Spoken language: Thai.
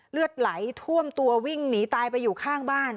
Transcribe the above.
เลือดไหลท่วมตัววิ่งหนีตายไปอยู่ข้างบ้าน